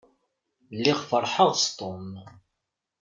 Lliɣ feṛḥeɣ s Tom.